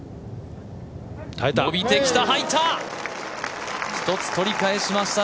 伸びてきた、入った！